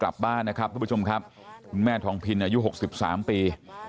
กลับบ้านนะครับทุกผู้ชมครับคุณแม่ทองพินอายุ๖๓ปี